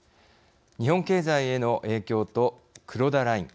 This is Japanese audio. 日本経済への影響と黒田ライン。